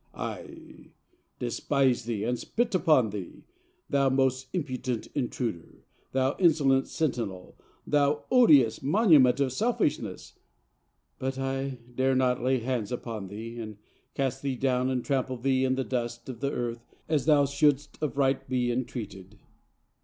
I despise thee and spit upon thee, thou most impudent intruder, thou insolent sentinel, thou odious monument of selfishness, but I dare not lay hands upon thee and cast thee down and trample thee in the dust of the earth as thou shouldst of right be entreated.